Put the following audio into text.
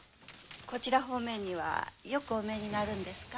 こちら方面にはよくお見えになるんですか？